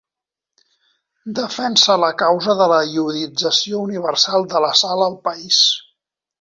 Defensa la causa de la iodització universal de la sal al país.